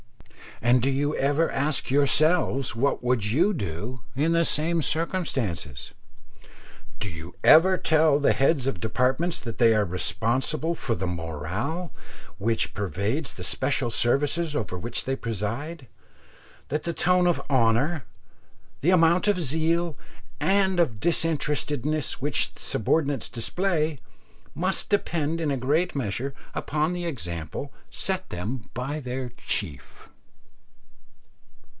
and do you ever ask yourselves what you would do in the same circumstances? Do you ever tell the heads of departments that they are responsible for the morale which pervades the special services over which they preside? that the tone of honour, the amount of zeal and of disinterestedness which subordinates display must depend in a great measure upon the example set them by their chief?